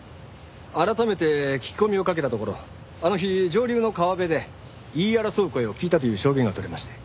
改めて聞き込みをかけたところあの日上流の川辺で言い争う声を聞いたという証言が取れまして。